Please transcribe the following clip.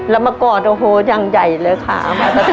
แล้วมากอดโอ้โหยังใหญ่เลยค่ะ